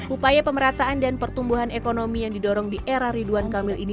upaya pemerataan dan pertumbuhan ekonomi yang didorong di era ridwan kamil ini